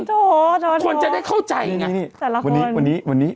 โถโถโถควรจะได้เข้าใจไงนี่นี่แต่ละคนวันนี้วันนี้วันนี้